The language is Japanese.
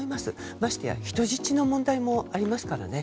まして人質の問題もありますからね。